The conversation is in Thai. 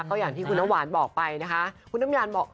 ก็อย่างที่คุณน้ำหวานบอกไปนะคะ